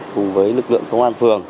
cùng với lực lượng công an phường